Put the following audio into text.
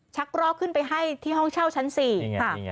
รอกขึ้นไปให้ที่ห้องเช่าชั้น๔ค่ะ